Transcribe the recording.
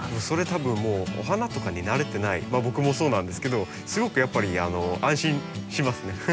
それ多分もうお花とかに慣れてない僕もそうなんですけどすごくやっぱり安心しますね。